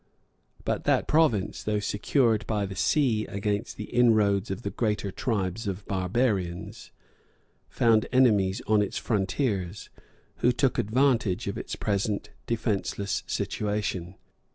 But that province, though secured by the sea against the inroads of the greater tribes of barbarians, found enemies on its frontiers, who took advantage of its present defenceless situation.